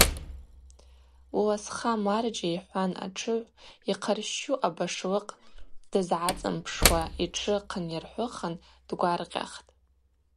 Уласха, марджьа – йхӏван атшыгӏв, йхъарщщу абашлыкъ дызгӏацӏымпшуа, йтшы хъынйырхӏвын дгваркъьахтӏ.